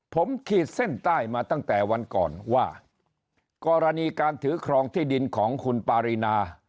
ผมขีดเส้นใต้มาตั้งแต่วันก่อนว่ากรณีการถือครองที่ดินของคุณปารีนา